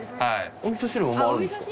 おみそ汁もあるんですか？